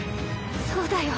そうだよ。